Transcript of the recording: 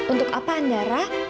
untuk apa andara